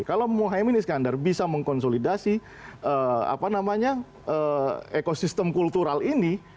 kalau mohaimin iskandar bisa mengkonsolidasi ekosistem kultural ini